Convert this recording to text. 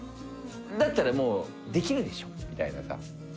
だったらもうできるでしょ？みたいなさ。